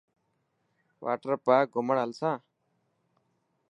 واٽر پارڪ گهمڻ هلسان.